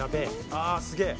ああすげえ！」